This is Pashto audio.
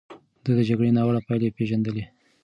ده د جګړې ناوړه پايلې پېژندلې.